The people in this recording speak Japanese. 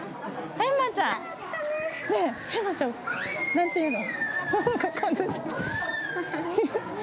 えまちゃん、なんて言うの。